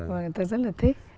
và người ta rất là thích